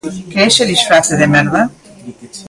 Que é ese disfrace de merda?